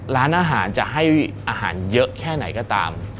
ร้านอาหารจะให้อาหารเยอะแค่ไหนก็ตาม